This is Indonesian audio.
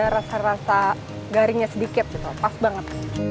rasanya garingnya sedikit pas banget